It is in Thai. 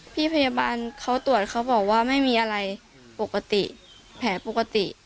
พี่พยาบาลเขาตรวจเขาบอกว่าไม่มีอะไรปกติแผลปกติ